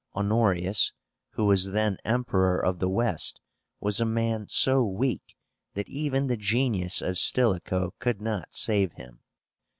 Honorius, who was then Emperor of the West, was a man so weak that even the genius of Stilicho could not save him.